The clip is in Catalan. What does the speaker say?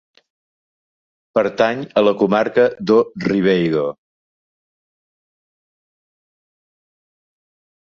Pertany a la Comarca do Ribeiro.